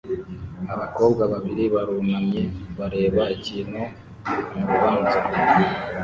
Abakobwa babiri barunamye bareba ikintu murubanza